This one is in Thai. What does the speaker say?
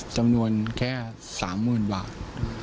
จำนวนแค่๓๐๐๐บาท